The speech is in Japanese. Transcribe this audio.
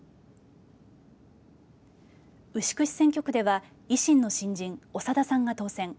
牛久市選挙区では維新の新人、長田さんが当選。